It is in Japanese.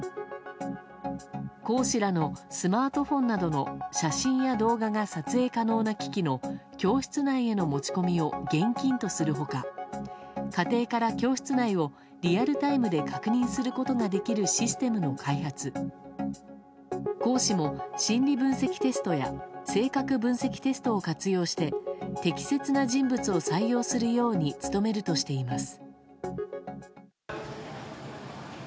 講師らのスマートフォンなどの写真や動画が撮影可能な機器の教室内への持ち込みを厳禁とする他、家庭から教室内をリアルタイムで確認することができるシステムの開発講師も心理分析テストや性格分析テストを活用して適切な人物を採用するように努めるとしています。